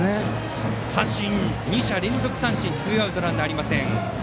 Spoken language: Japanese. ２者連続三振でツーアウト、ランナーありません。